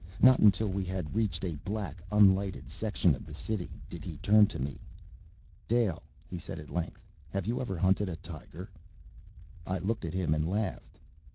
Not until we had reached a black, unlighted section of the city did he turn to me. "Dale," he said at length, "have you ever hunted tiger?" I looked at him and laughed.